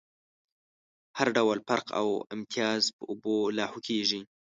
هر ډول فرق او امتياز په اوبو لاهو کېږي.